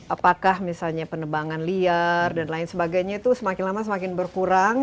apakah misalnya penebangan liar dan lain sebagainya itu semakin lama semakin berkurang